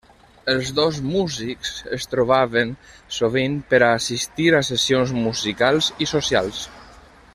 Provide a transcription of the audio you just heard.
Els dos músics es trobaven sovint per a assistir a sessions musicals i socials.